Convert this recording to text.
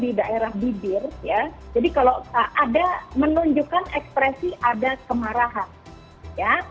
di daerah bibir ya jadi kalau ada menunjukkan ekspresi ada kemarahan ya